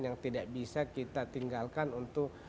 yang tidak bisa kita tinggalkan untuk